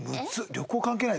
旅行関係ない？